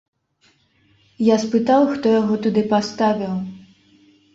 Я спытаў, хто яго туды паставіў.